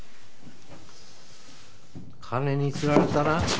金に釣られたな。